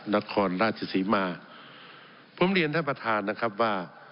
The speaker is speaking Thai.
นครราชศรีมาผมเรียนท่านประธานนะครับว่า